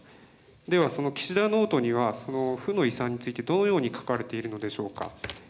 ではその岸田ノートには、その負の遺産について、どのように書かれているのでしょうか。